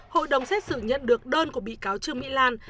hội đồng xét xử nhận được đơn của bị cáo trương mỹ lan